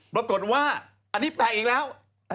ปรากฏว่าอันนี้แปลกอีกแล้ว